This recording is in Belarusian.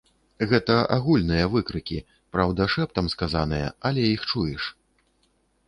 Гэта агульныя выкрыкі, праўда, шэптам сказаныя, але іх чуеш.